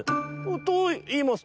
「といいますと？」。